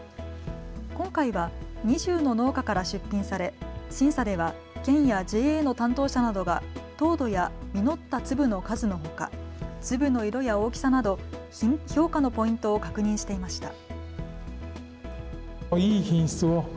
今回は２０の農家から出品され審査では県やＪＡの担当者などが糖度や実った粒の数のほか粒の色や大きさなど評価のポイントを確認していました。